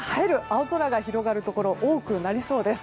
青空が広がるところ多くなりそうです。